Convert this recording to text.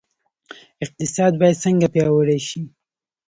اقتصاد باید څنګه پیاوړی شي؟